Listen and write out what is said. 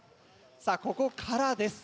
さぁここからです。